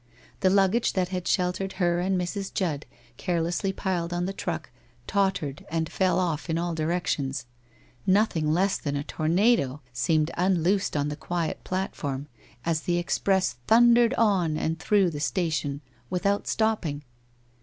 The luggage that had sheltered her and Mrs. Judd, carelessly piled on the truck, tottered and fell off in all directions. Nothing less than a tornado seemed unloosed on the quiet platform as the express thundered on, and through the station without stopping.